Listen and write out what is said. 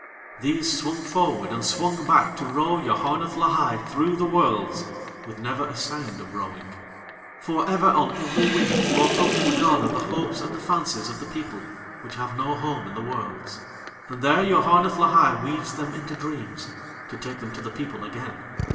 These swung forward and swung back to row Yoharneth Lahai through the Worlds with never a sound of rowing. For ever on every wind float up to Pegana the hopes and the fancies of the people which have no home in the Worlds, and there Yoharneth Lahai weaves them into dreams, to take them to the people again.